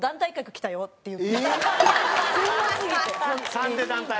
３で団体？